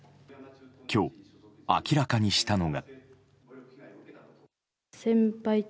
今日、明らかにしたのが。